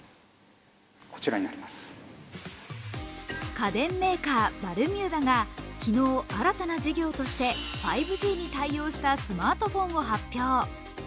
家電メーカー・バルミューダが昨日、新たな事業として５Ｇに対応したスマートフォンを発表。